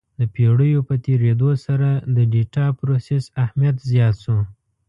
د پېړیو په تېرېدو سره د ډیټا پروسس اهمیت زیات شو.